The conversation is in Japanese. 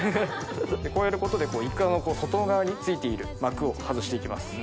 こうやることでイクラの外側に付いている膜を外して行きます。